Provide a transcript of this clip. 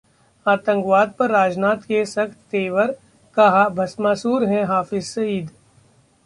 आतंकवाद पर राजनाथ के सख्त तेवर, कहा- भस्मासुर है हाफिज सईद